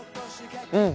うん！